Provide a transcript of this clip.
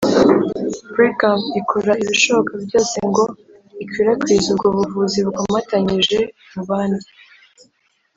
Brigham ikora ibishoboka byose ngo ikwirakwize ubwo buvuzi bukomatanyije mu bandi